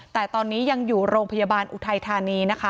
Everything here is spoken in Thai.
แต่ตอนนี้ยังอยู่โรงพยาบาลอุทัยธานีนะคะ